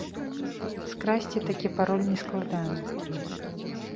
Скрасці такі пароль нескладана.